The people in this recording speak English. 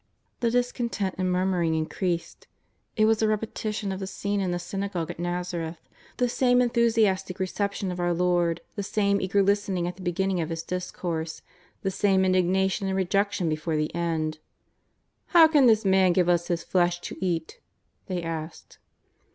The discontent and murmuring increased. It was a repetition of the scene in the s\Tiagogue at Nazareth, the same enthusiastic reception of our Lord, the same eager listening at the beginning of His discourse, the same indignation and rejection before the end. '^ How can this man give us his flesh to eat ?" they asked.